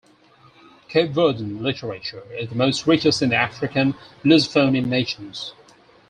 Capeverdean literature is the most riches in the African Lusophony nations.